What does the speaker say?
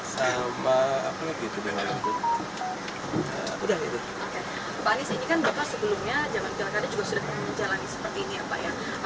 jaman kilang karya juga sudah terjalani seperti ini ya pak ya